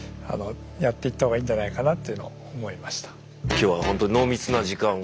今日はほんとに濃密な時間を。